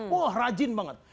wah rajin banget